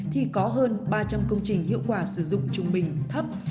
thì có hơn ba trăm linh công trình hiệu quả sử dụng trung bình thấp